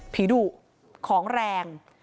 ดุของแรง